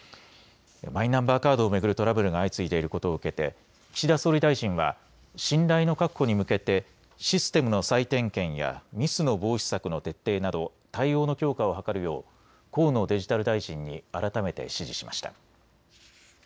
マイナンバーカードを巡るトラブルが相次いでいることを受けて岸田総理大臣は信頼の確保に向けてシステムの再点検やミスの防止策の徹底など対応の強化を図るよう河野デジタル大臣に改めて指示しました。